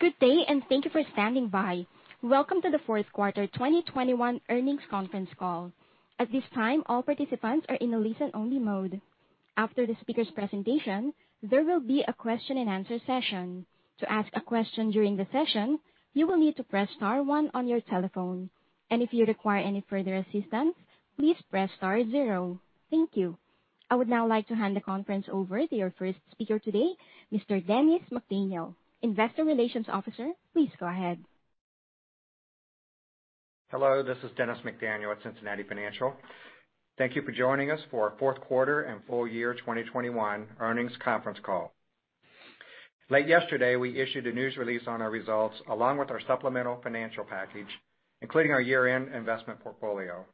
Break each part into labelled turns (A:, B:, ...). A: Good day, and thank you for standing by. Welcome to the fourth quarter 2021 earnings conference call. At this time, all participants are in a listen-only mode. After the speaker's presentation, there will be a question-and-answer session. To ask a question during the session, you will need to press star one on your telephone. If you require any further assistance, please press star zero. Thank you. I would now like to hand the conference over to your first speaker today, Mr. Dennis McDaniel. Investor Relations Officer, please go ahead.
B: Hello, this is Dennis McDaniel at Cincinnati Financial. Thank you for joining us for our fourth quarter and full year 2021 earnings conference call. Late yesterday, we issued a news release on our results along with our supplemental financial package, including our year-end investment portfolio.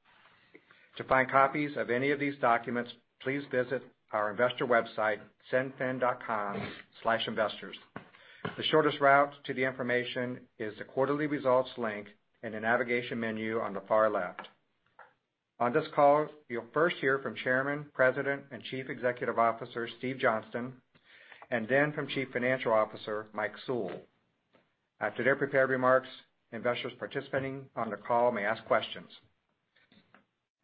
B: To find copies of any of these documents, please visit our investor website, cinfin.com/investors. The shortest route to the information is the quarterly results link in the navigation menu on the far left. On this call, you'll first hear from Chairman, President, and Chief Executive Officer, Steve Johnston, and then from Chief Financial Officer, Mike Sewell. After their prepared remarks, investors participating on the call may ask questions.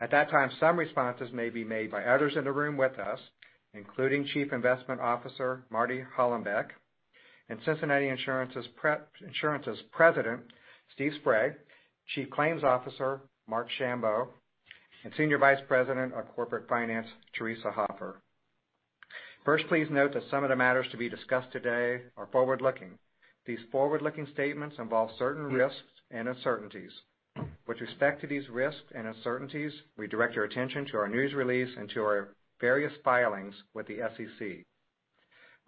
B: At that time, some responses may be made by others in the room with us, including Chief Investment Officer Marty Hollenbeck, and Cincinnati Insurance's President Steve Spray, Chief Claims Officer Marc Schambow, and Senior Vice President of Corporate Finance Theresa Hoffer. First, please note that some of the matters to be discussed today are forward-looking. These forward-looking statements involve certain risks and uncertainties. With respect to these risks and uncertainties, we direct your attention to our news release and to our various filings with the SEC.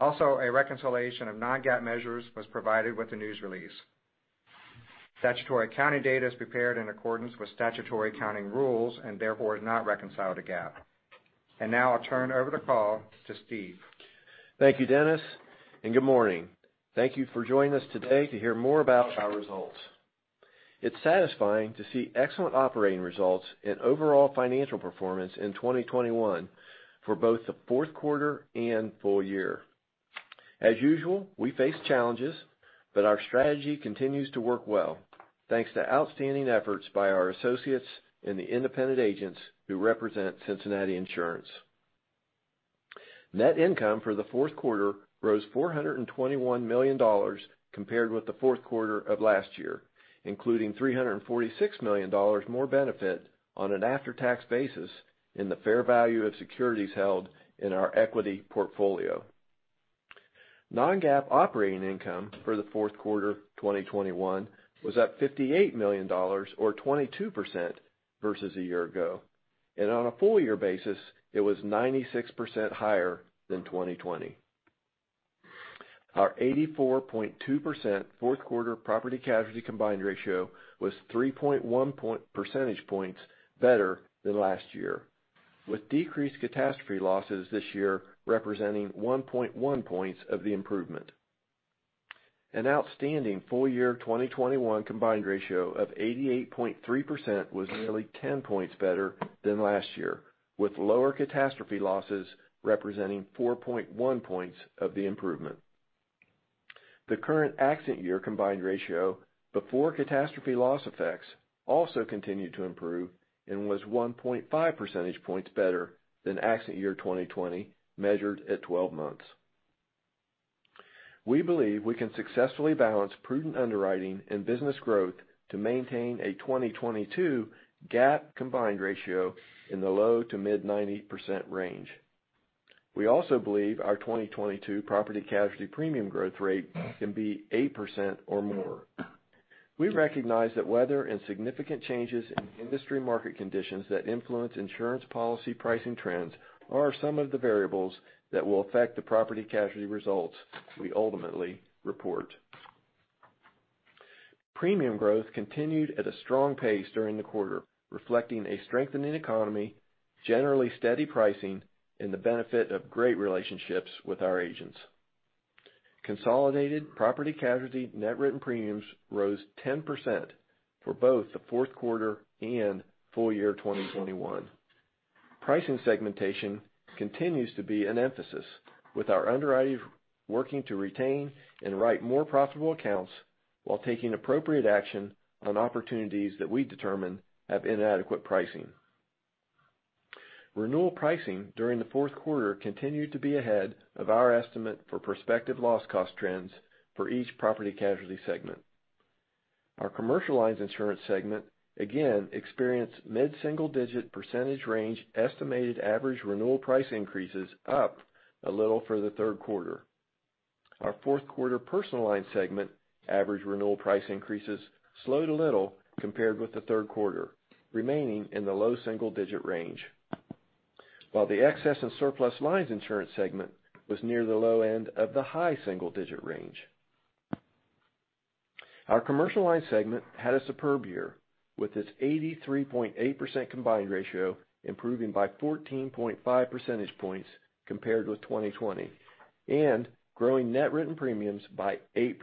B: Also, a reconciliation of non-GAAP measures was provided with the news release. Statutory county data is prepared in accordance with statutory accounting rules and therefore is not reconciled to GAAP. Now I'll turn over the call to Steve.
C: Thank you, Dennis, and good morning. Thank you for joining us today to hear more about our results. It's satisfying to see excellent operating results and overall financial performance in 2021 for both the fourth quarter and full year. As usual, we face challenges, but our strategy continues to work well, thanks to outstanding efforts by our associates and the independent agents who represent Cincinnati Insurance. Net income for the fourth quarter rose $421 million compared with the fourth quarter of last year, including $346 million more benefit on an after-tax basis in the fair value of securities held in our equity portfolio. Non-GAAP operating income for the fourth quarter 2021 was up $58 million or 22% versus a year ago. On a full year basis, it was 96% higher than 2020. Our 84.2% fourth quarter property casualty combined ratio was 3.1 percentage points better than last year, with decreased catastrophe losses this year representing 1.1 points of the improvement. An outstanding full year 2021 combined ratio of 88.3% was nearly 10 points better than last year, with lower catastrophe losses representing 4.1 points of the improvement. The current accident year combined ratio before catastrophe loss effects also continued to improve and was 1.5 percentage points better than accident year 2020, measured at 12 months. We believe we can successfully balance prudent underwriting and business growth to maintain a 2022 GAAP combined ratio in the low- to mid-90% range. We also believe our 2022 property casualty premium growth rate can be 8% or more. We recognize that weather and significant changes in industry market conditions that influence insurance policy pricing trends are some of the variables that will affect the property casualty results we ultimately report. Premium growth continued at a strong pace during the quarter, reflecting a strengthening economy, generally steady pricing, and the benefit of great relationships with our agents. Consolidated property casualty net written premiums rose 10% for both the fourth quarter and full year 2021. Pricing segmentation continues to be an emphasis, with our underwriting working to retain and write more profitable accounts while taking appropriate action on opportunities that we determine have inadequate pricing. Renewal pricing during the fourth quarter continued to be ahead of our estimate for prospective loss cost trends for each property casualty segment. Our commercial lines insurance segment again experienced mid-single-digit percentage range estimated average renewal price increases up a little for the third quarter. Our fourth quarter personal line segment average renewal price increases slowed a little compared with the third quarter, remaining in the low single-digit range, while the excess and surplus lines insurance segment was near the low end of the high single-digit range. Our commercial line segment had a superb year, with its 83.8% combined ratio improving by 14.5 percentage points compared with 2020, and growing net written premiums by 8%.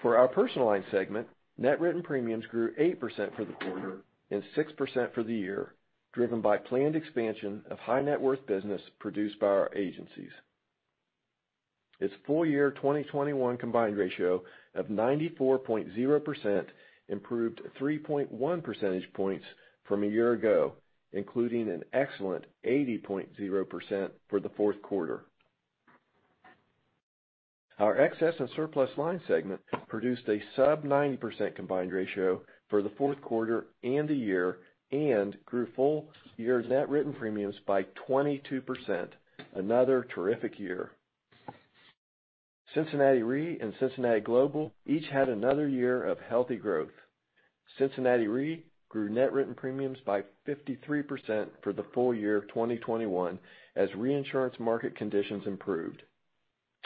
C: For our personal line segment, net written premiums grew 8% for the quarter and 6% for the year, driven by planned expansion of high net worth business produced by our agencies. Its full year 2021 combined ratio of 94.0% improved 3.1 percentage points from a year ago, including an excellent 80.0% for the fourth quarter. Our excess and surplus line segment produced a sub 90% combined ratio for the fourth quarter and the year, and grew full year net written premiums by 22%. Another terrific year. Cincinnati Re and Cincinnati Global each had another year of healthy growth. Cincinnati Re grew net written premiums by 53% for the full year of 2021 as reinsurance market conditions improved.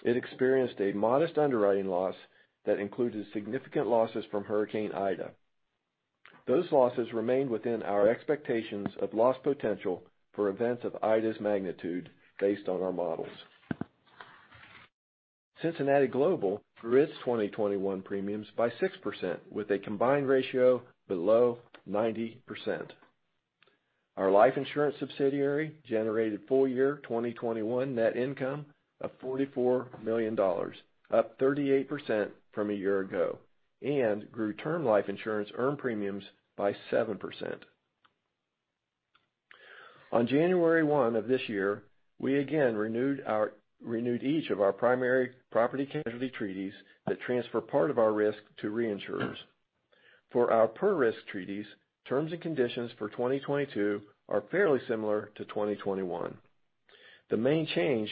C: It experienced a modest underwriting loss that included significant losses from Hurricane Ida. Those losses remained within our expectations of loss potential for events of Ida's magnitude based on our models. Cincinnati Global grew its 2021 premiums by 6% with a combined ratio below 90%. Our life insurance subsidiary generated full year 2021 net income of $44 million, up 38% from a year ago, and grew term life insurance earned premiums by 7%. On January 1 of this year, we again renewed each of our primary property casualty treaties that transfer part of our risk to reinsurers. For our per risk treaties, terms and conditions for 2022 are fairly similar to 2021. The main change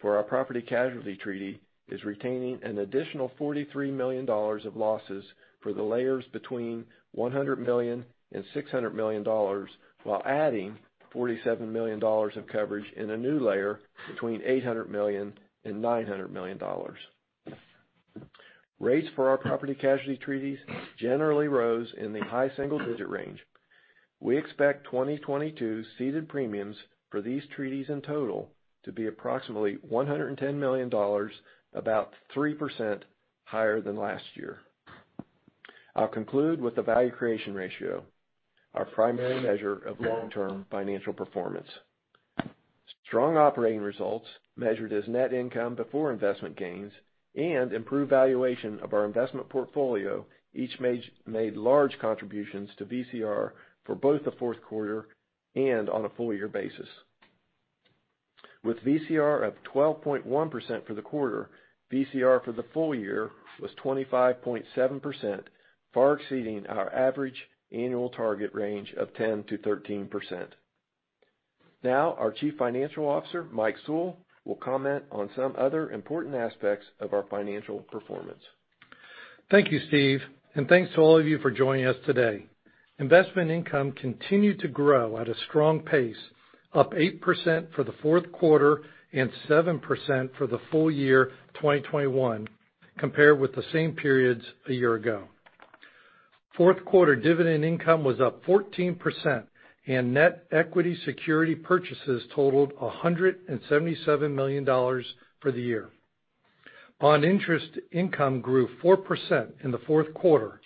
C: for our property casualty treaty is retaining an additional $43 million of losses for the layers between $100 million and $600 million, while adding $47 million of coverage in a new layer between $800 million and $900 million. Rates for our property casualty treaties generally rose in the high single digit range. We expect 2022 ceded premiums for these treaties in total to be approximately $110 million, about 3% higher than last year. I'll conclude with the value creation ratio, our primary measure of long-term financial performance. Strong operating results measured as net income before investment gains and improved valuation of our investment portfolio each made large contributions to VCR for both the fourth quarter and on a full year basis. With VCR up 12.1% for the quarter, VCR for the full year was 25.7%, far exceeding our average annual target range of 10%-13%. Now our Chief Financial Officer, Mike Sewell, will comment on some other important aspects of our financial performance.
D: Thank you, Steve, and thanks to all of you for joining us today. Investment income continued to grow at a strong pace, up 8% for the fourth quarter and 7% for the full year 2021 compared with the same periods a year ago. Fourth quarter dividend income was up 14% and net equity security purchases totaled $177 million for the year. Bond interest income grew 4% in the fourth quarter,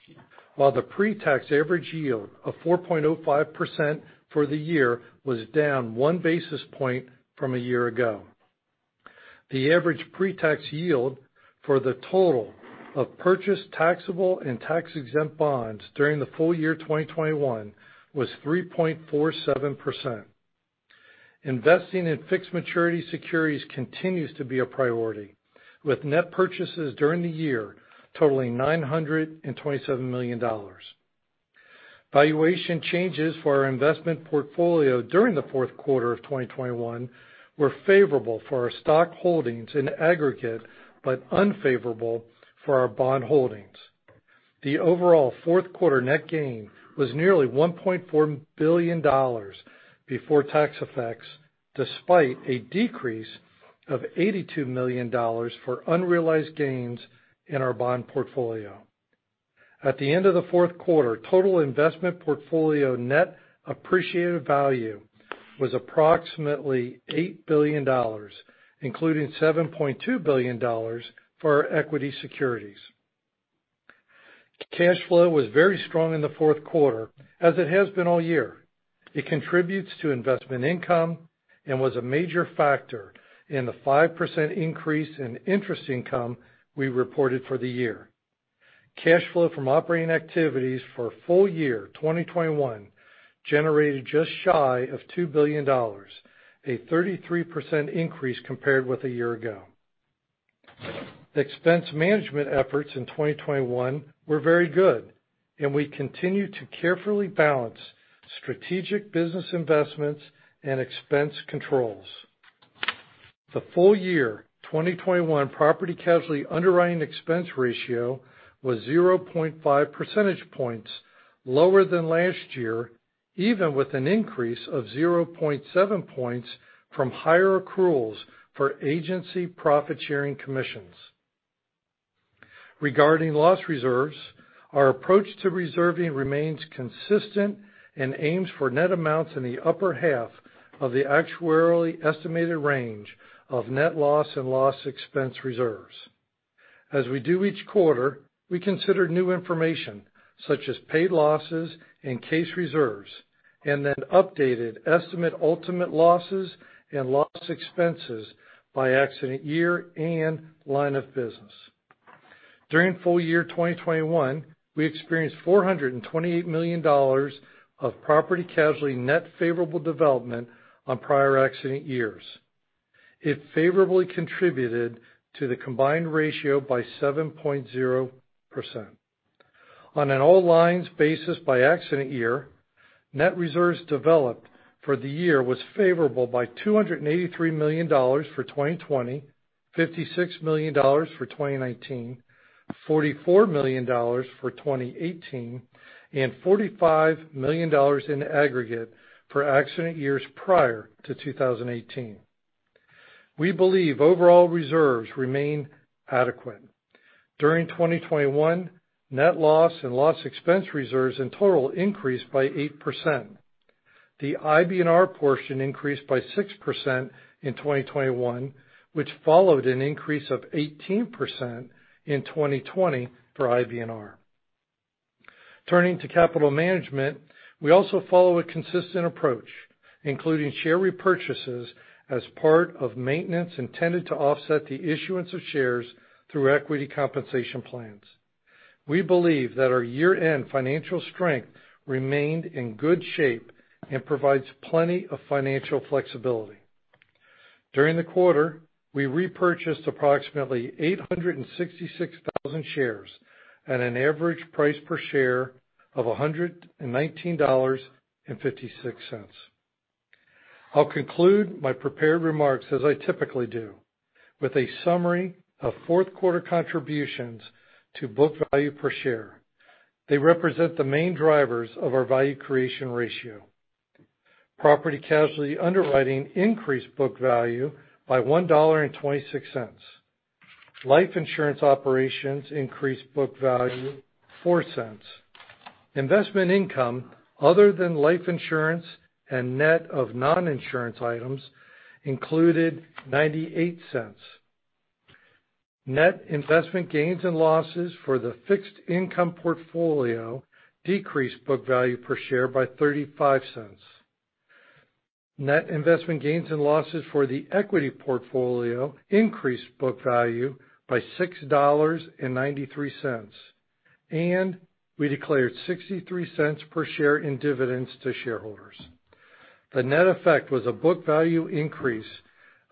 D: while the pre-tax average yield of 4.05% for the year was down 1 basis point from a year ago. The average pre-tax yield for the total of purchased taxable and tax-exempt bonds during the full year 2021 was 3.47%. Investing in fixed maturity securities continues to be a priority, with net purchases during the year totaling $927 million. Valuation changes for our investment portfolio during the fourth quarter of 2021 were favorable for our stock holdings in aggregate, but unfavorable for our bond holdings. The overall fourth quarter net gain was nearly $1.4 billion before tax effects, despite a decrease of $82 million for unrealized gains in our bond portfolio. At the end of the fourth quarter, total investment portfolio net appreciated value was approximately $8 billion, including $7.2 billion for our equity securities. Cash flow was very strong in the fourth quarter, as it has been all year. It contributes to investment income and was a major factor in the 5% increase in interest income we reported for the year. Cash flow from operating activities for full year 2021 generated just shy of $2 billion, a 33% increase compared with a year ago. Expense management efforts in 2021 were very good, and we continue to carefully balance strategic business investments and expense controls. The full year property casualty underwriting expense ratio was 0.5 percentage points lower than last year, even with an increase of 0.7 points from higher accruals for agency profit-sharing commissions. Regarding loss reserves. Our approach to reserving remains consistent and aims for net amounts in the upper half of the actuarially estimated range of net loss and loss expense reserves. As we do each quarter, we consider new information such as paid losses and case reserves, and then updated estimate ultimate losses and loss expenses by accident year and line of business. During full year 2021, we experienced $428 million of property casualty net favorable development on prior accident years. It favorably contributed to the combined ratio by 7.0%. On an all lines basis by accident year, net reserves developed for the year was favorable by $283 million for 2020, $56 million for 2019, $44 million for 2018, and $45 million in aggregate for accident years prior to 2018. We believe overall reserves remain adequate. During 2021, net loss and loss expense reserves in total increased by 8%. The IBNR portion increased by 6% in 2021, which followed an increase of 18% in 2020 for IBNR. Turning to capital management, we also follow a consistent approach, including share repurchases as part of maintenance intended to offset the issuance of shares through equity compensation plans. We believe that our year-end financial strength remained in good shape and provides plenty of financial flexibility. During the quarter, we repurchased approximately 866,000 shares at an average price per share of $119.56. I'll conclude my prepared remarks as I typically do, with a summary of fourth quarter contributions to book value per share. They represent the main drivers of our value creation ratio. Property casualty underwriting increased book value by $1.26. Life insurance operations increased book value by $0.04. Investment income other than life insurance and net of non-insurance items included $0.98. Net investment gains and losses for the fixed income portfolio decreased book value per share by $0.35. Net investment gains and losses for the equity portfolio increased book value by $6.93, and we declared $0.63 per share in dividends to shareholders. The net effect was a book value increase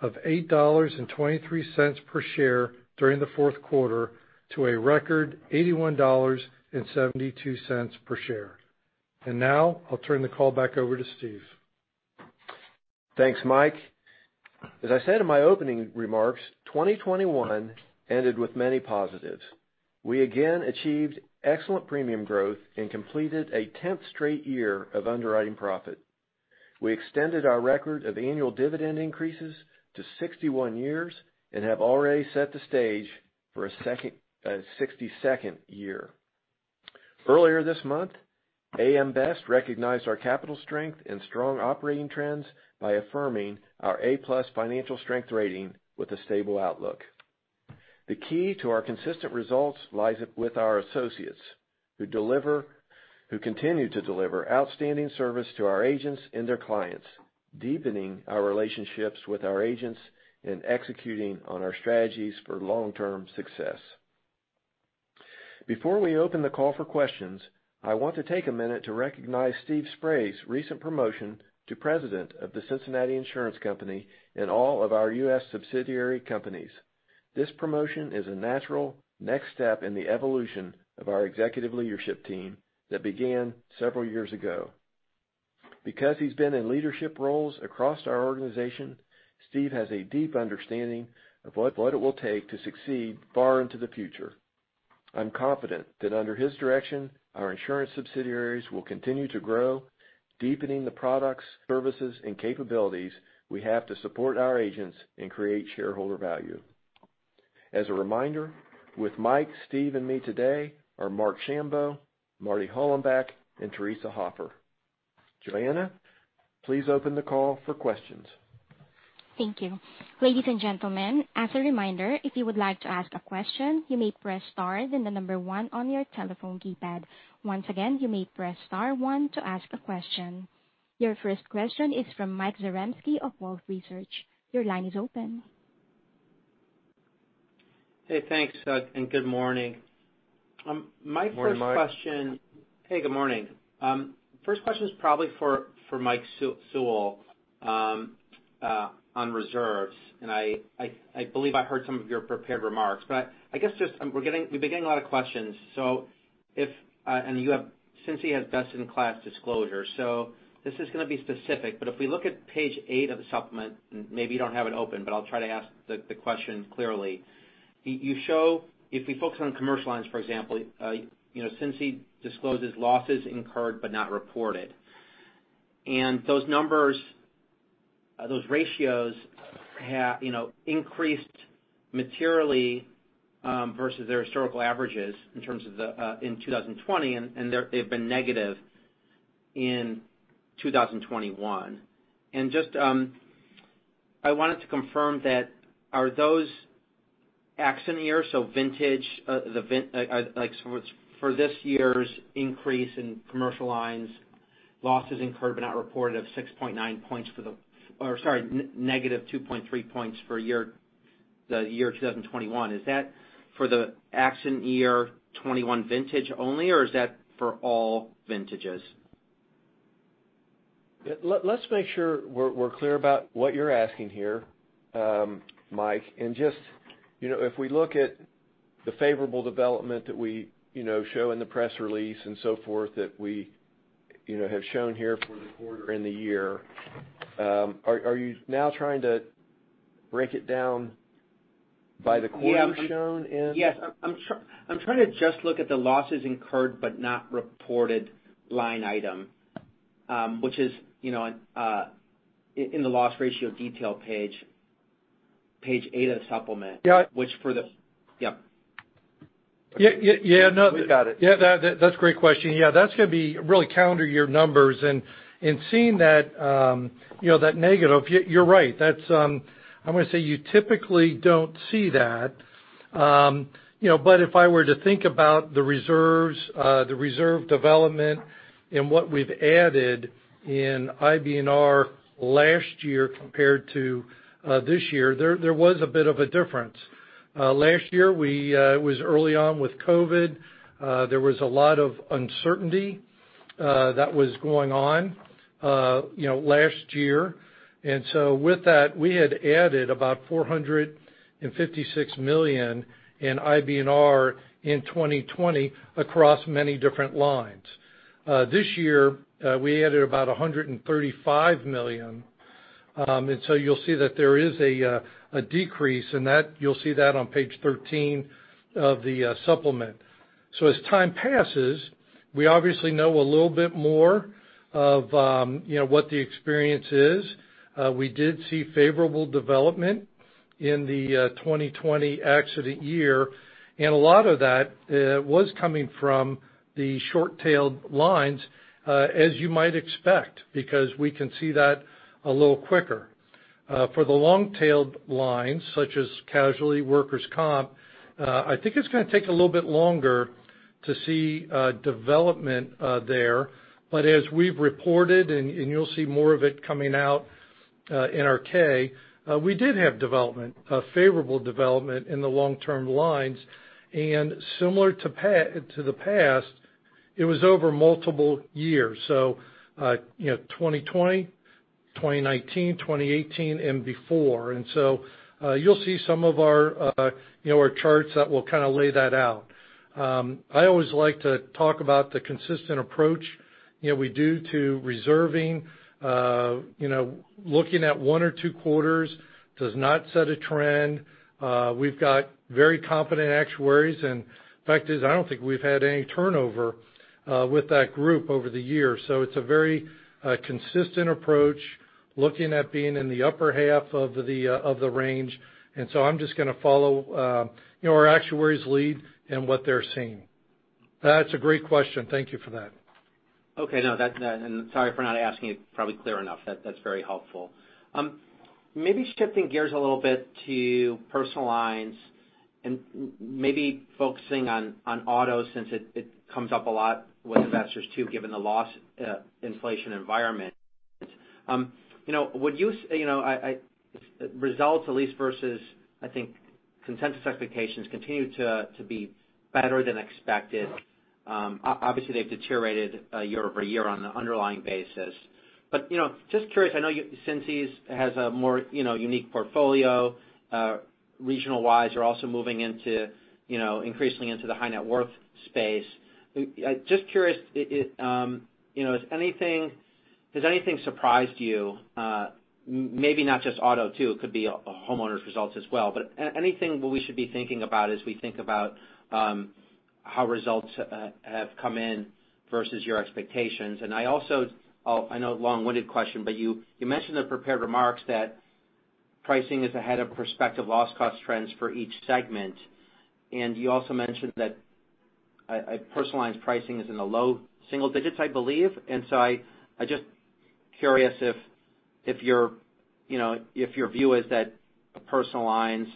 D: of $8.23 per share during the fourth quarter to a record $81.72 per share. Now I'll turn the call back over to Steve.
C: Thanks, Mike. As I said in my opening remarks, 2021 ended with many positives. We again achieved excellent premium growth and completed a 10th straight year of underwriting profit. We extended our record of annual dividend increases to 61 years and have already set the stage for a second, 62nd year. Earlier this month, AM Best recognized our capital strength and strong operating trends by affirming our A+ financial strength rating with a stable outlook. The key to our consistent results lies with our associates who continue to deliver outstanding service to our agents and their clients, deepening our relationships with our agents and executing on our strategies for long-term success. Before we open the call for questions, I want to take a minute to recognize Steve Spray's recent promotion to President of The Cincinnati Insurance Company and all of our U.S. subsidiary companies. This promotion is a natural next step in the evolution of our executive leadership team that began several years ago. Because he's been in leadership roles across our organization, Steve has a deep understanding of what it will take to succeed far into the future. I'm confident that under his direction, our insurance subsidiaries will continue to grow, deepening the products, services, and capabilities we have to support our agents and create shareholder value. As a reminder, with Mike, Steve, and me today are Marc Schambow, Marty Hollenbeck, and Theresa Hoffer. Joanna, please open the call for questions.
A: Thank you. Ladies and gentlemen, as a reminder, if you would like to ask a question, you may press star, then the number 1 on your telephone keypad. Once again, you may press star 1 to ask a question. Your first question is from Michael Zaremski of Wolfe Research. Your line is open.
E: Hey, thanks, and good morning. My first question-
C: Morning, Mike.
E: Hey, good morning. First question is probably for Mike Sewell on reserves. I believe I heard some of your prepared remarks. I guess just, we've been getting a lot of questions. Since he has best in class disclosure, this is gonna be specific. If we look at page 8 of the supplement, and maybe you don't have it open, but I'll try to ask the question clearly. You show, if we focus on commercial lines, for example, you know, since he discloses losses incurred but not reported. Those numbers, those ratios have, you know, increased materially versus their historical averages in terms of the IBNR in 2020, and they've been negative in 2021. I wanted to confirm that those are accident year so vintage, like, so it's for this year's increase in commercial lines, losses incurred but not reported of 6.9 points. Or sorry, negative 2.3 points for the year 2021. Is that for the accident year 2021 vintage only or is that for all vintages?
D: Let's make sure we're clear about what you're asking here, Mike. You know, if we look at the favorable development that we, you know, show in the press release and so forth that we, you know, have shown here for the quarter and the year, are you now trying to break it down by the quarter shown in-
E: Yeah. Yes. I'm trying to just look at the losses incurred but not reported line item, which is, you know, in the loss ratio detail page 8 of the supplement.
D: Yeah.
E: Yep.
D: Yeah. Yeah, no.
E: We've got it.
D: Yeah, that's a great question. Yeah, that's gonna be really calendar year numbers. Seeing that, you know, that negative, you're right. That's, I'm gonna say you typically don't see that. You know, but if I were to think about the reserves, the reserve development and what we've added in IBNR last year compared to this year, there was a bit of a difference. Last year, it was early on with COVID. There was a lot of uncertainty that was going on, you know, last year. With that, we had added about $456 million in IBNR in 2020 across many different lines. This year, we added about $135 million. You'll see that there is a decrease, and that you'll see that on page 13 of the supplement. As time passes, we obviously know a little bit more of, you know, what the experience is. We did see favorable development in the 2020 accident year, and a lot of that was coming from the short-tailed lines, as you might expect, because we can see that a little quicker. For the long-tailed lines, such as casualty, workers' comp, I think it's gonna take a little bit longer to see development there. As we've reported, and you'll see more of it coming out in our 10-K, we did have development, a favorable development in the long-term lines. Similar to the past, it was over multiple years. You know, 2020, 2019, 2018, and before. You'll see some of our, you know, our charts that will kinda lay that out. I always like to talk about the consistent approach, you know, we do to reserving. You know, looking at one or two quarters does not set a trend. We've got very competent actuaries, in fact, I don't think we've had any turnover with that group over the years. It's a very consistent approach, looking at being in the upper half of the range. I'm just gonna follow, you know, our actuaries' lead in what they're seeing. That's a great question. Thank you for that.
E: Sorry for not asking it properly clear enough. That's very helpful. Maybe shifting gears a little bit to personal lines and maybe focusing on auto since it comes up a lot with investors too, given the loss inflation environment. You know, would you say, you know, results at least versus, I think, consensus expectations continue to be better than expected? Obviously, they've deteriorated year-over-year on the underlying basis. You know, just curious, I know you have a more, you know, unique portfolio, regional-wise. You're also moving into, you know, increasingly into the high net worth space. Just curious, you know, has anything surprised you, maybe not just auto too, it could be homeowners results as well, but anything what we should be thinking about as we think about how results have come in versus your expectations. I also know long-winded question, but you mentioned the prepared remarks that pricing is ahead of prospective loss cost trends for each segment. You also mentioned that personal lines pricing is in the low-single digits, I believe. Just curious if your view is that personal lines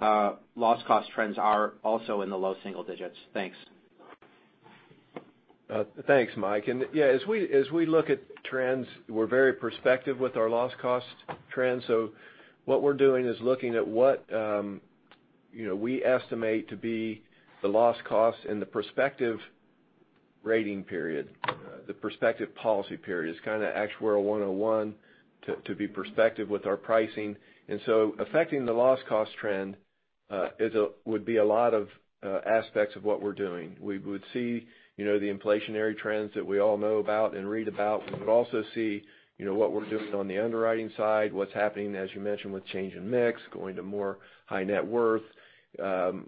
E: loss cost trends are also in the low-single digits. Thanks.
C: Thanks, Mike. Yeah, as we look at trends, we're very prospective with our loss cost trends. What we're doing is looking at what, you know, we estimate to be the loss cost in the prospective rating period, the prospective policy period. It's kinda Actuarial 101 to be prospective with our pricing. Affecting the loss cost trend would be a lot of aspects of what we're doing. We would see, you know, the inflationary trends that we all know about and read about. We would also see, you know, what we're doing on the underwriting side, what's happening, as you mentioned, with change in mix, going to more high net worth.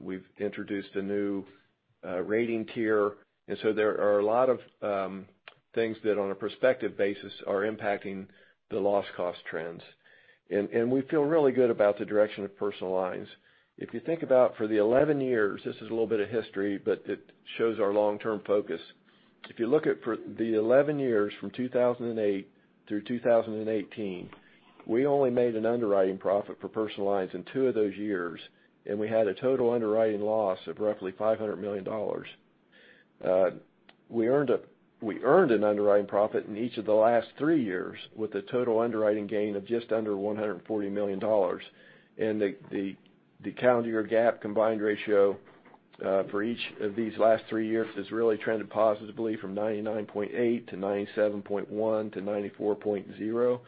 C: We've introduced a new rating tier. There are a lot of things that on a prospective basis are impacting the loss cost trends. We feel really good about the direction of Personal Lines. If you think about for the 11 years, this is a little bit of history, but it shows our long-term focus. If you look at for the 11 years from 2008 through 2018, we only made an underwriting profit for Personal Lines in 2 of those years, and we had a total underwriting loss of roughly $500 million. We earned an underwriting profit in each of the last 3 years with a total underwriting gain of just under $140 million. The calendar year GAAP combined ratio for each of these last three years has really trended positively from 99.8% to 97.1% to 94.0%.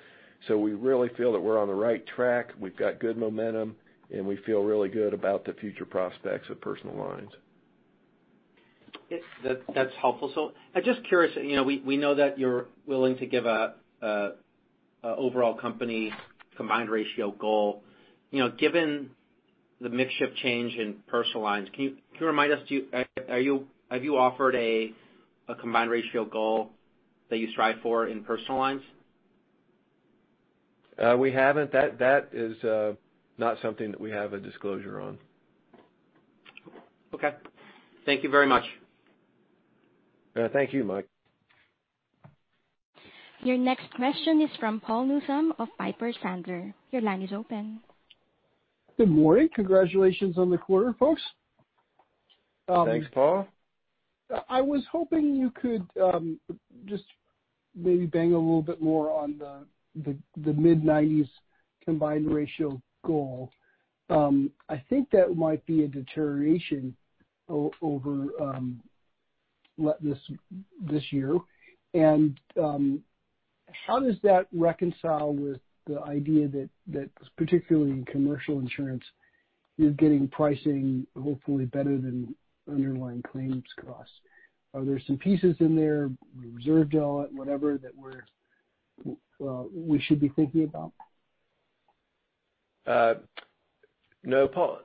C: We really feel that we're on the right track. We've got good momentum, and we feel really good about the future prospects of Personal Lines.
E: Yes. That's helpful. I'm just curious, you know. We know that you're willing to give an overall company combined ratio goal. You know, given the mix shift change in Personal Lines, can you remind us? Have you offered a combined ratio goal that you strive for in Personal Lines?
C: We haven't. That is not something that we have a disclosure on.
E: Okay. Thank you very much.
C: Thank you, Mike.
A: Your next question is from Paul Newsome of Piper Sandler. Your line is open.
F: Good morning. Congratulations on the quarter, folks.
C: Thanks, Paul.
F: I was hoping you could just maybe bang a little bit more on the mid-90s combined ratio goal. I think that might be a deterioration over this year. How does that reconcile with the idea that particularly in commercial insurance, you're getting pricing hopefully better than underlying claims costs? Are there some pieces in there, reserve job, whatever, that we should be thinking about?
C: No, Paul.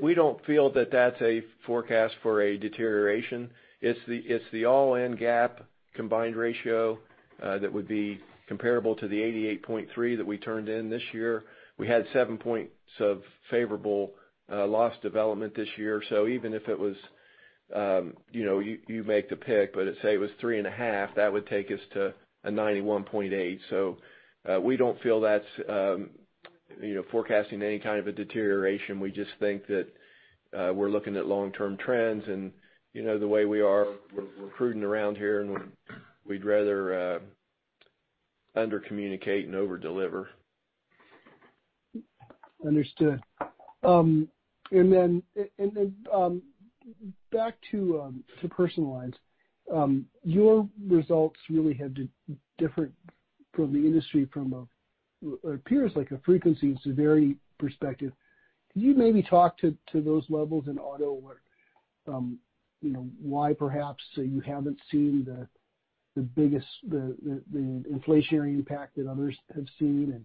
C: We don't feel that that's a forecast for a deterioration. It's the all-in GAAP combined ratio that would be comparable to the 88.3% that we turned in this year. We had 7 points of favorable loss development this year. Even if it was, you know, you make the pick, but let's say it was 3.5, that would take us to a 91.8%. We don't feel that's, you know, forecasting any kind of a deterioration. We just think that we're looking at long-term trends, and, you know, the way we are, we're pruning around here, and we'd rather under-communicate and over-deliver.
F: Understood. Back to Personal Lines. Your results really have different from the industry. It appears like a frequency severity perspective. Can you maybe talk to those levels in auto or you know why perhaps you haven't seen the biggest inflationary impact that others have seen and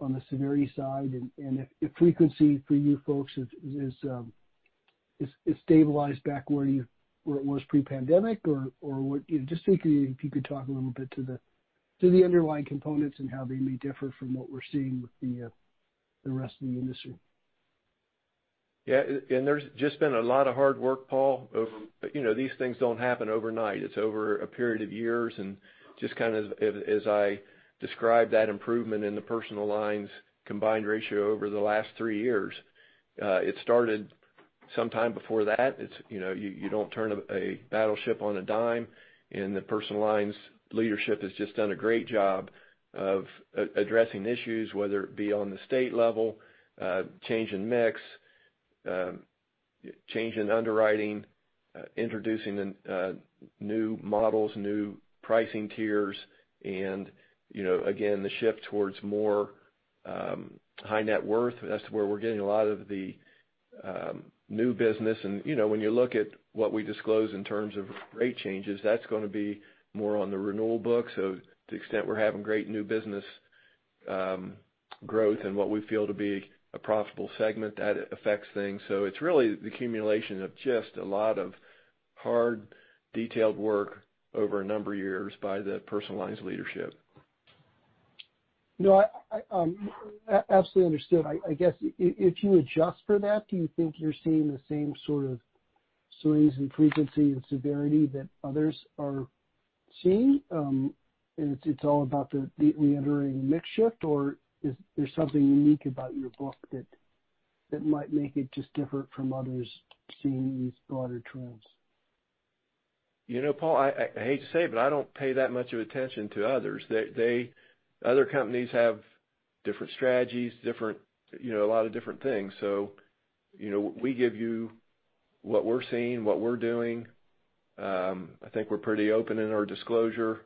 F: on the severity side. If frequency for you folks is stabilized back where it was pre-pandemic or what you know just if you could talk a little bit to the underlying components and how they may differ from what we're seeing with the rest of the industry.
C: Yeah. There's just been a lot of hard work, Paul, you know, these things don't happen overnight. It's over a period of years and just kind of as I described that improvement in the Personal Lines combined ratio over the last three years, it started sometime before that. It's, you know, you don't turn a battleship on a dime, and the Personal Lines leadership has just done a great job of addressing issues, whether it be on the state level, change in mix, change in underwriting, introducing the new models, new pricing tiers and, you know, again, the shift towards more high net worth. That's where we're getting a lot of the new business. You know, when you look at what we disclose in terms of rate changes, that's gonna be more on the renewal book. To the extent we're having great new business, growth and what we feel to be a profitable segment, that affects things. It's really the accumulation of just a lot of hard, detailed work over a number of years by the Personal Lines leadership.
F: No, I absolutely understood. I guess if you adjust for that, do you think you're seeing the same sort of swings in frequency and severity that others are seeing? It's all about the re-entering mix shift or is there something unique about your book that might make it just different from others seeing these broader trends?
C: You know, Paul, I hate to say it, but I don't pay that much of attention to others. Other companies have different strategies, different, you know, a lot of different things. You know, we give you what we're seeing, what we're doing. I think we're pretty open in our disclosure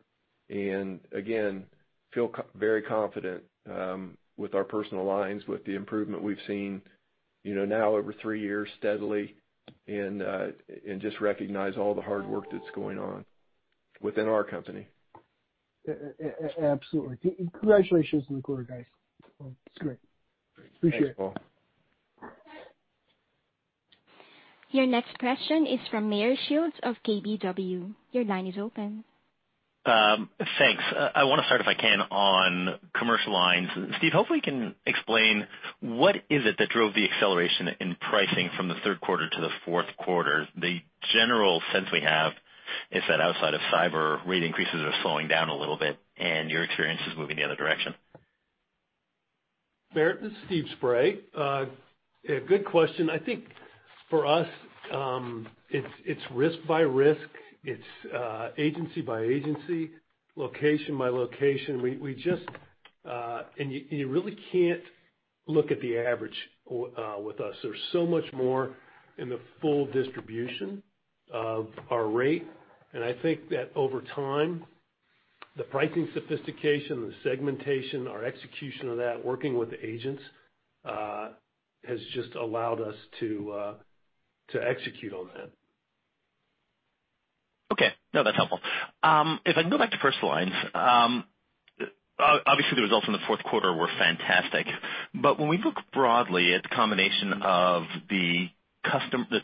C: and again, feel very confident with our Personal Lines, with the improvement we've seen, you know, now over three years steadily and just recognize all the hard work that's going on within our company. Absolutely. Congratulations on the quarter, guys. It's great. Appreciate it. Thanks, Paul.
A: Your next question is from Meyer Shields of KBW. Your line is open.
G: Thanks. I wanna start, if I can, on commercial lines. Steve, hopefully, you can explain what is it that drove the acceleration in pricing from the third quarter to the fourth quarter? The general sense we have is that outside of cyber, rate increases are slowing down a little bit, and your experience is moving the other direction.
H: Meyer Shields, this is Steve Spray. A good question. I think for us, it's risk by risk. It's agency by agency, location by location. We just... You really can't look at the average or with us. There's so much more in the full distribution of our rate. I think that over time, the pricing sophistication, the segmentation, our execution of that, working with the agents, has just allowed us to execute on that.
G: Okay. No, that's helpful. If I can go back to personal lines, obviously, the results in the fourth quarter were fantastic. When we look broadly at the combination of the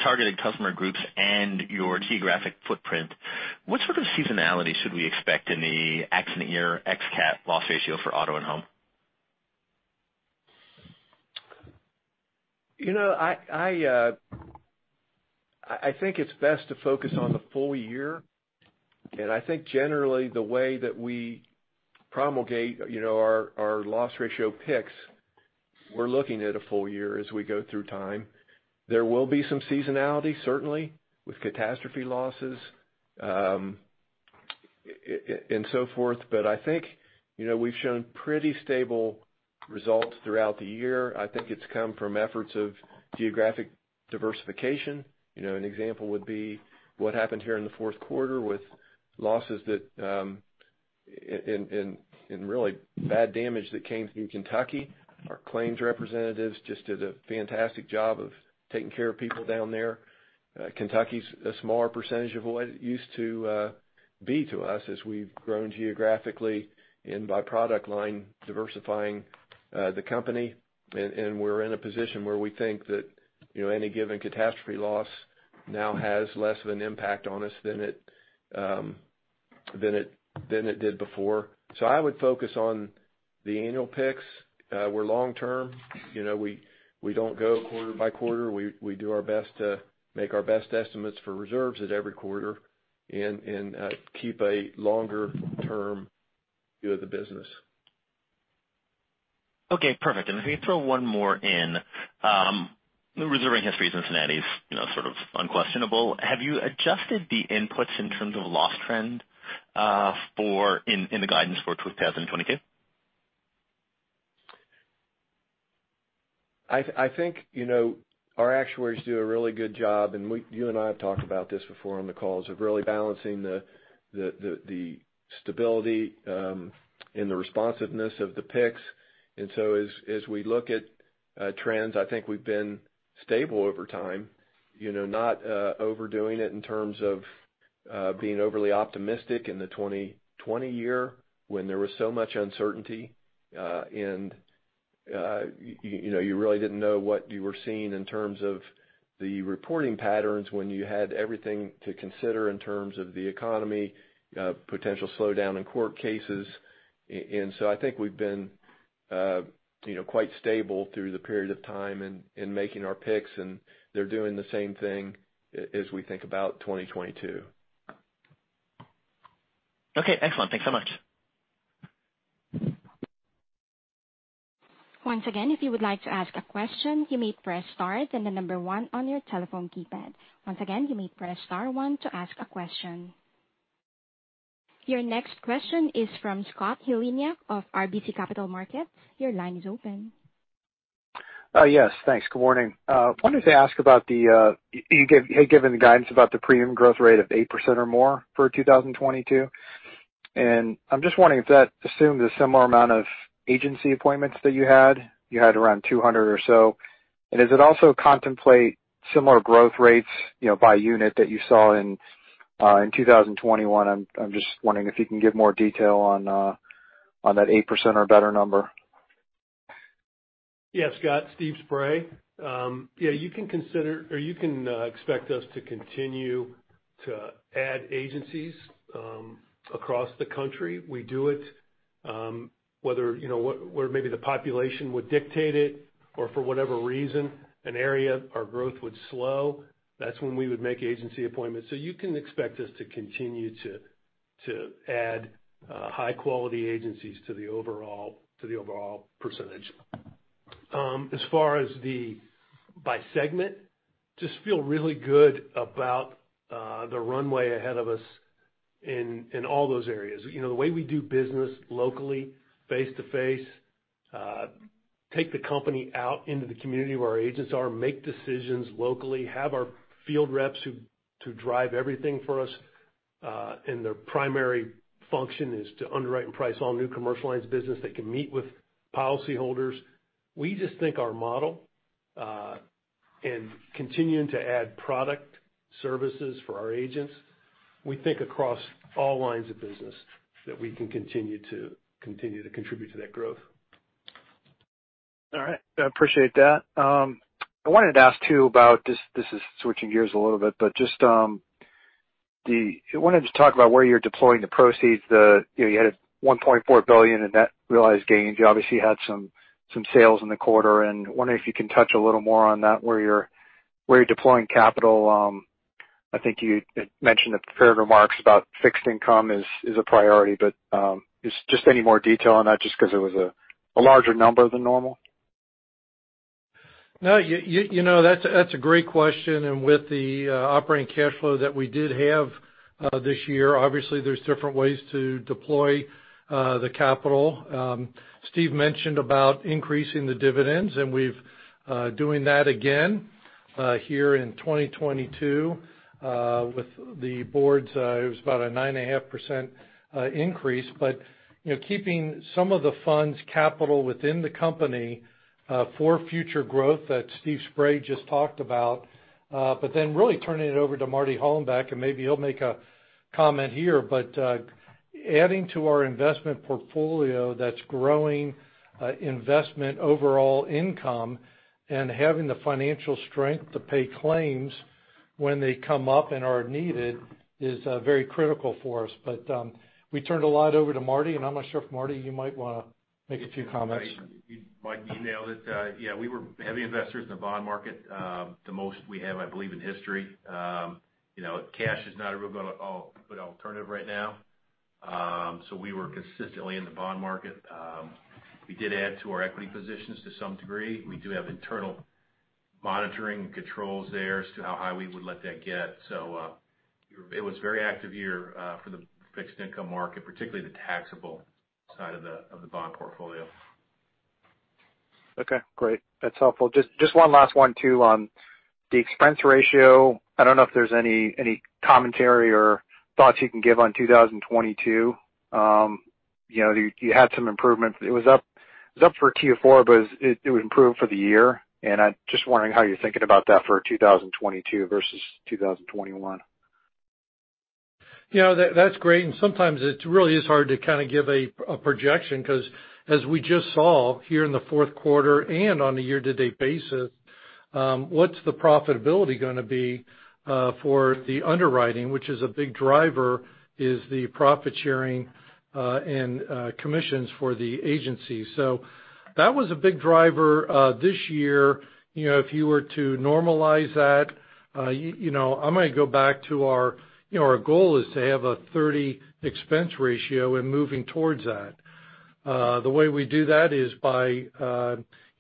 G: targeted customer groups and your geographic footprint, what sort of seasonality should we expect in the accident year ex cat loss ratio for auto and home?
C: You know, I think it's best to focus on the full year. I think generally the way that we promulgate, you know, our loss ratio picks, we're looking at a full year as we go through time. There will be some seasonality, certainly, with catastrophe losses, and so forth, but I think, you know, we've shown pretty stable results throughout the year. I think it's come from efforts of geographic diversification. You know, an example would be what happened here in the fourth quarter with losses and really bad damage that came through Kentucky. Our claims representatives just did a fantastic job of taking care of people down there. Kentucky's a smaller percentage of what it used to be to us as we've grown geographically and by product line diversifying the company. We're in a position where we think that, you know, any given catastrophe loss now has less of an impact on us than it did before. I would focus on the annual picks. We're long term. You know, we don't go quarter by quarter. We do our best to make our best estimates for reserves at every quarter and keep a longer term view of the business.
G: Okay, perfect. If we throw one more in, the reserving history of Cincinnati's, you know, sort of unquestionable. Have you adjusted the inputs in terms of loss trend for inflation in the guidance for 2022?
C: I think, you know, our actuaries do a really good job, and, you and I have talked about this before on the calls, of really balancing the stability and the responsiveness of the picks. As we look at trends, I think we've been stable over time, you know, not overdoing it in terms of being overly optimistic in the 2020 year when there was so much uncertainty, and you know, you really didn't know what you were seeing in terms of the reporting patterns when you had everything to consider in terms of the economy, potential slowdown in court cases. I think we've been, you know, quite stable through the period of time in making our picks, and they're doing the same thing as we think about 2022.
G: Okay, excellent. Thanks so much.
A: Your next question is from Scott Heleniak of RBC Capital Markets. Your line is open.
I: Yes, thanks. Good morning. Wanted to ask about the guidance you had given about the premium growth rate of 8% or more for 2022, and I'm just wondering if that assumes a similar amount of agency appointments that you had. You had around 200 or so. Does it also contemplate similar growth rates, you know, by unit that you saw in 2021? I'm just wondering if you can give more detail on that 8% or better number.
H: Yeah, Scott. Steve Spray. Yeah, you can consider or you can expect us to continue to add agencies across the country. We do it whether you know where maybe the population would dictate it or for whatever reason an area our growth would slow, that's when we would make agency appointments. You can expect us to continue to add high quality agencies to the overall percentage. As far as the by segment, we just feel really good about the runway ahead of us in all those areas. You know, the way we do business locally, face to face, take the company out into the community where our agents are, make decisions locally, have our field reps who to drive everything for us, and their primary function is to underwrite and price all new commercial lines business that can meet with policyholders. We just think our model,
D: Continuing to add product services for our agents. We think across all lines of business that we can continue to contribute to that growth.
I: All right. I appreciate that. I wanted to ask too about this. This is switching gears a little bit, but just I wanted to talk about where you're deploying the proceeds. You know, you had $1.4 billion in net realized gains. You obviously had some sales in the quarter, and wondering if you can touch a little more on that, where you're deploying capital. I think you mentioned the prepared remarks about fixed income is a priority, but is just any more detail on that just 'cause it was a larger number than normal.
D: No, you know, that's a great question. With the operating cash flow that we did have this year, obviously there's different ways to deploy the capital. Steve mentioned about increasing the dividends, and we've doing that again here in 2022 with the board's it was about a 9.5% increase. You know, keeping some of the funds capital within the company for future growth that Steve Spray just talked about, but then really turning it over to Marty Hollenbeck, and maybe he'll make a comment here. Adding to our investment portfolio that's growing investment overall income and having the financial strength to pay claims when they come up and are needed is very critical for us. We turned a lot over to Marty, and I'm not sure if Marty, you might wanna make a few comments.
J: Mike, you nailed it. Yeah, we were heavy investors in the bond market, the most we have, I believe, in history. You know, cash is not a real good alternative right now, so we were consistently in the bond market. We did add to our equity positions to some degree. We do have internal monitoring and controls there as to how high we would let that get. It was very active year for the fixed income market, particularly the taxable side of the bond portfolio.
I: Okay, great. That's helpful. Just one last one too on the expense ratio. I don't know if there's any commentary or thoughts you can give on 2022. You know, you had some improvements. It was up for Q4, but it would improve for the year, and I'm just wondering how you're thinking about that for 2022 versus 2021.
D: You know, that's great, and sometimes it really is hard to kind of give a projection 'cause as we just saw here in the fourth quarter and on a year-to-date basis, what's the profitability gonna be for the underwriting, which is a big driver, is the profit sharing and commissions for the agency. That was a big driver this year. You know, if you were to normalize that, you know, I might go back to our, you know, our goal is to have a 30% expense ratio and moving towards that. The way we do that is by, you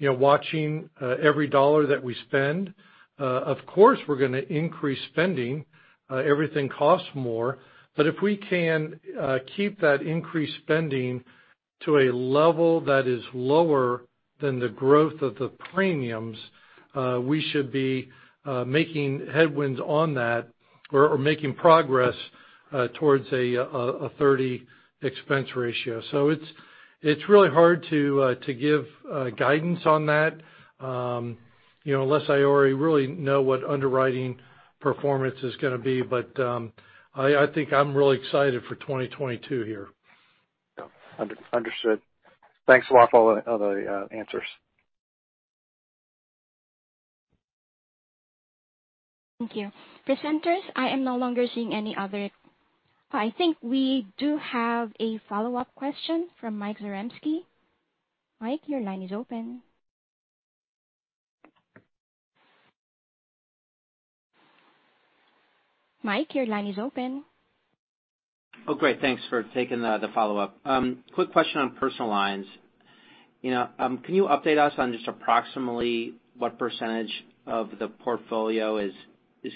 D: know, watching every dollar that we spend. Of course, we're gonna increase spending. Everything costs more. If we can keep that increased spending to a level that is lower than the growth of the premiums, we should be making headway on that or making progress towards a 30% expense ratio. It's really hard to give guidance on that, you know, unless I already really know what underwriting performance is gonna be. I think I'm really excited for 2022 here.
I: Understood. Thanks a lot for all the answers.
A: Thank you. Presenters, I am no longer seeing any other. I think we do have a follow-up question from Mike Zaremski. Mike, your line is open. Mike, your line is open.
E: Oh, great. Thanks for taking the follow-up. Quick question on personal lines. You know, can you update us on just approximately what percentage of the portfolio is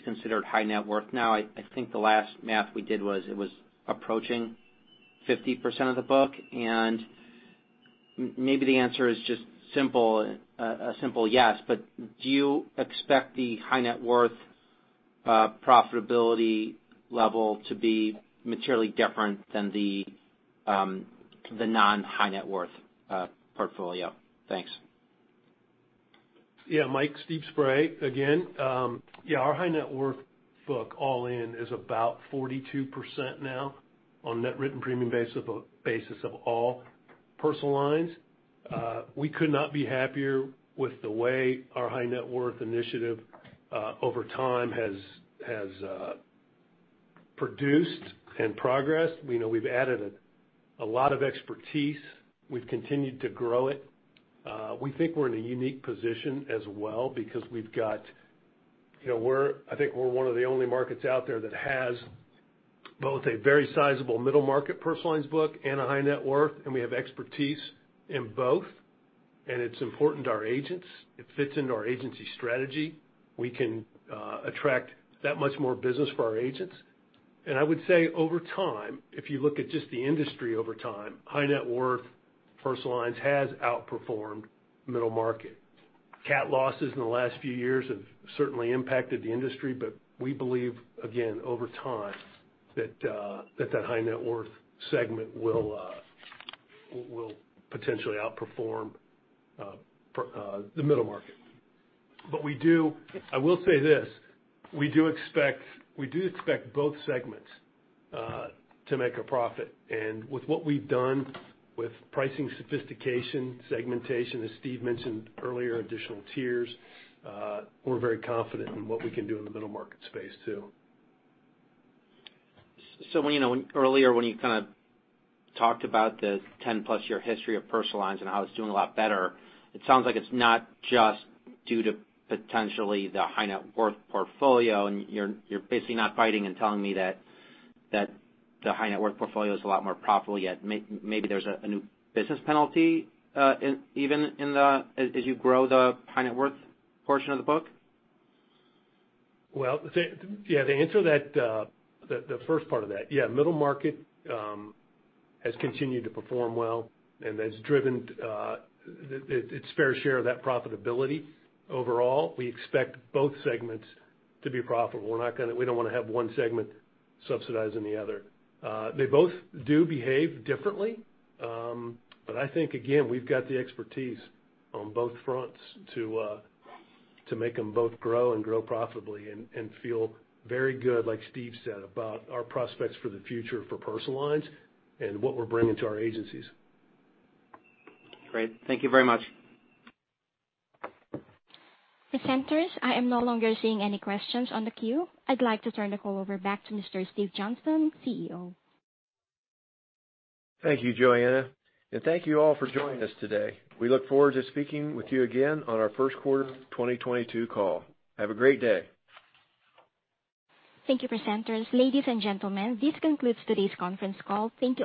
E: considered high net worth now? I think the last math we did was it was approaching 50% of the book. Maybe the answer is just simple, a simple yes, but do you expect the high net worth profitability level to be materially different than the non-high net worth portfolio? Thanks.
H: Yeah, Mike, Steve Spray again. Our high net worth book all in is about 42% now on net written premium basis of all personal lines. We could not be happier with the way our high net worth initiative over time has produced and progressed. You know, we've added a lot of expertise. We've continued to grow it. We think we're in a unique position as well because we've got, you know, I think we're one of the only markets out there that has both a very sizable middle market personal lines book and a high net worth, and we have expertise in both, and it's important to our agents. It fits into our agency strategy. We can attract that much more business for our agents.
D: I would say over time, if you look at just the industry over time, high net worth personal lines has outperformed middle market. Cat losses in the last few years have certainly impacted the industry, but we believe, again, over time, that high net worth segment will
H: We will potentially outperform the middle market. I will say this: we do expect both segments to make a profit. With what we've done with pricing sophistication, segmentation, as Steve mentioned earlier, additional tiers, we're very confident in what we can do in the middle market space, too.
E: When, you know, earlier when you kinda talked about the 10-plus year history of personal lines and how it's doing a lot better, it sounds like it's not just due to potentially the high net worth portfolio, and you're basically not fighting in telling me that the high net worth portfolio is a lot more profitable, yet maybe there's a new business penalty in even as you grow the high net worth portion of the book?
H: Well, the answer to that, the first part of that, middle market has continued to perform well and has driven its fair share of that profitability. Overall, we expect both segments to be profitable. We don't wanna have one segment subsidizing the other. They both do behave differently. I think, again, we've got the expertise on both fronts to make them both grow and grow profitably and feel very good, like Steve said, about our prospects for the future for personal lines and what we're bringing to our agencies.
E: Great. Thank you very much.
A: Presenters, I am no longer seeing any questions on the queue. I'd like to turn the call over back to Mr. Steve Johnston, CEO.
C: Thank you, Joanna. Thank you all for joining us today. We look forward to speaking with you again on our first quarter 2022 call. Have a great day.
A: Thank you, presenters. Ladies and gentlemen, this concludes today's conference call. Thank you all.